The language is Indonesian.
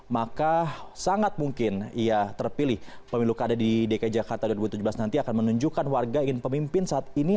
maka sangat mungkin ia terpilih pemilu kada di dki jakarta dua ribu tujuh belas nanti akan menunjukkan warga ingin pemimpin saat ini